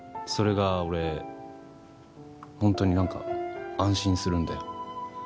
それが俺ホントに何か安心するんだよ